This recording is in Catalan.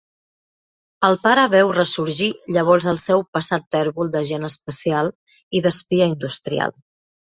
El pare veu ressorgir llavors el seu passat tèrbol d'agent especial i d'espia industrial.